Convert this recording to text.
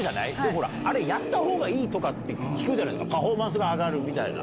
ほら、あれ、やったほうがいいとかって聞くじゃないですか、パフォーマンスが上がるみたいな。